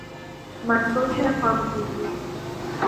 มันก็แค่ความจริง